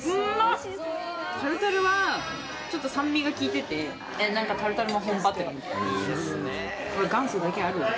タルタルはちょっと酸味が効いてて何かタルタルの本場って感じ。